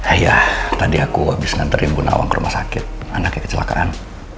iya tadi aku abis nganterin bu nawang ke rumah sakit anaknya kecelakaan